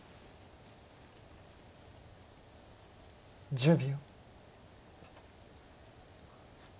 １０秒。